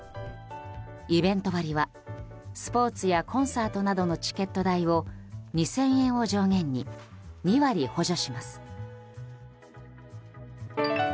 イベント割は、スポーツやコンサートなどのチケット代を２０００円を上限に２割補助します。